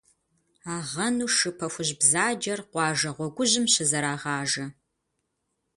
Агъэну шы пэхужь бзаджэр къуажэ гъуэгужьым щызэрагъажэ.